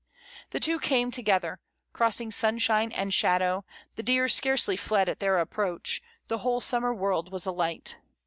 The two came together, crossing sun shine and shadow, the deer scarcely fled at their approach, the whole summer world was alight.